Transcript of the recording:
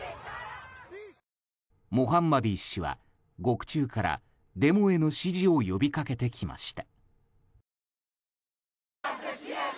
モハンマディ氏は、獄中からデモへの支持を呼びかけてきました。